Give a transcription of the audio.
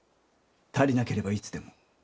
足りなければいつでも。